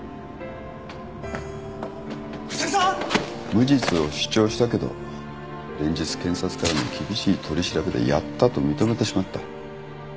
無実を主張したけど連日検察からの厳しい取り調べでやったと認めてしまった。